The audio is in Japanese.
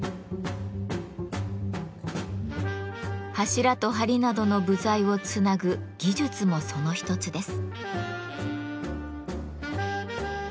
柱と梁などの部材をつなぐ技術もその一つです。